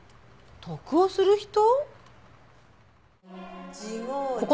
得をする人？